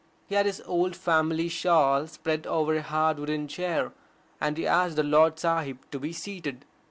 He had his old family shawl spread over a hard wooden chair, and he asked the Lord Sahib to be seated.